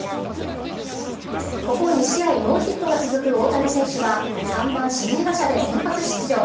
ここ２試合、ノーヒットが続く大谷選手は、３番指名打者で先発出場。